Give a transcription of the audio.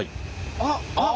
あっあっ！